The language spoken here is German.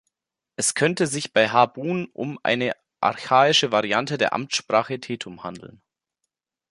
Es könnte sich bei Habun um eine archaische Variante der Amtssprache Tetum handeln.